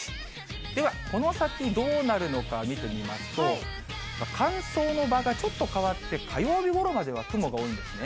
ではこの先、どうなるのか見てみますと、乾燥の場がちょっと変わって、火曜日ごろまでは雲が多いんですね。